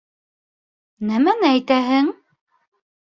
Нәмәне әйтәһең?